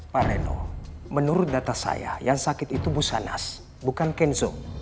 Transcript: pak reno menurut data saya yang sakit itu busanas bukan kenzo